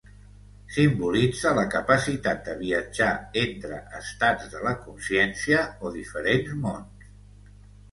Simbolitza la capacitat de viatjar entre estats de la consciència o diferents mons.